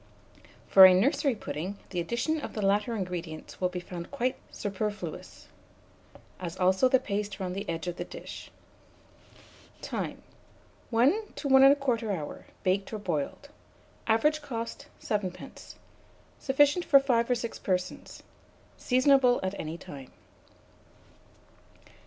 For a nursery pudding, the addition of the latter ingredients will be found quite superfluous, as also the paste round the edge of the dish. Time. 1 to 1 1/4 hour, baked or boiled. Average cost, 7d. Sufficient for 5 or 6 persons. Seasonable at any time.